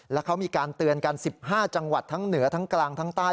แล้วเขามีการเตือนกัน๑๕จังหวัดทั้งเหนือทั้งกลางทั้งใต้